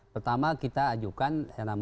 pertama kita ajukan